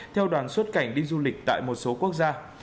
theo đoàn xuất cảnh đi du lịch tại một số quốc gia